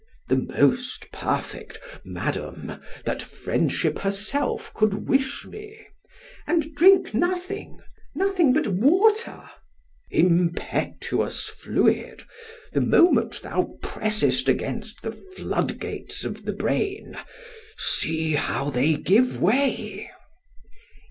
—The most perfect,—Madam, that friendship herself could wish me—— "And drink nothing!—nothing but water?" —Impetuous fluid! the moment thou pressest against the flood gates of the brain——see how they give way!